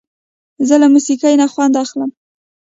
زه له موسیقۍ نه خوند اخلم.